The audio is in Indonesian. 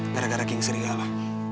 gara gara geng serigala